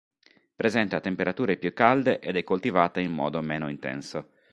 Presenta temperature più calde ed è coltivata in modo meno intenso.